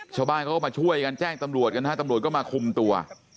ชาวบ้านเขาก็มาช่วยกันแจ้งตำรวจกันฮะตำรวจก็มาคุมตัว